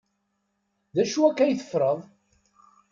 D acu akka ay teffreḍ?